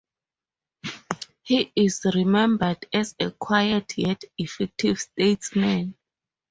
He is remembered as a quiet, yet effective statesman.